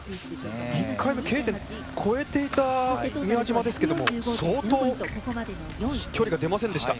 １回目、Ｋ点越えていた宮嶋ですけども相当、距離が出ませんでした。